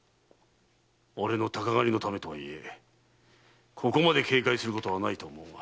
俺の鷹狩りのためとはいえここまで警戒することはないと思うが。